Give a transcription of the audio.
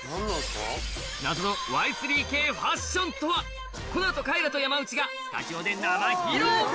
謎のＹ３Ｋファッションとはこの後かいらと山内がスタジオで生披露